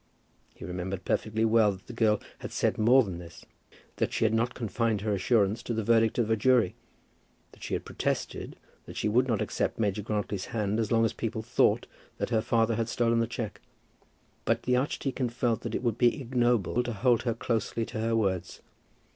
He remembered perfectly well that the girl had said more than this, that she had not confined her assurance to the verdict of a jury, that she had protested that she would not accept Major Grantly's hand as long as people thought that her father had stolen the cheque; but the archdeacon felt that it would be ignoble to hold her closely to her words.